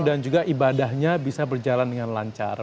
dan juga ibadahnya bisa berjalan dengan lancar